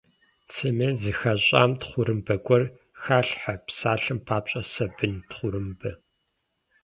Цемент зэхэщӀам тхъурымбэ гуэр халъхьэ, псалъэм папщӀэ, сабын тхъурымбэ.